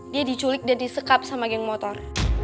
dia diculik dan disekap sama geng motor